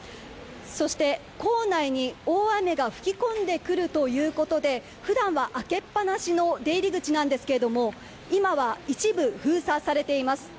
そして、構内に大雨が吹き込んでくるということで普段は開けっ放しの出入り口なんですが今は一部封鎖されています。